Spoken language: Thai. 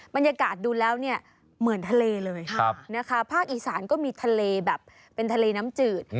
บรรยากาศดูแล้วเนี่ยเหมือนทะเลเลยนะคะภาคอีสานก็มีทะเลแบบเป็นทะเลน้ำจืด